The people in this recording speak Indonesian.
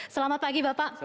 selamat pagi bapak